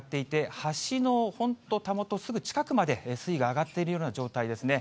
橋の本当たもと、すぐ近くまで水位が上がっているような状態ですね。